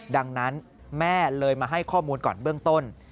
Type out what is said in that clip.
ดังนั้นแม่เลยมาให้ข้อมูลก่อนเบื้องต้น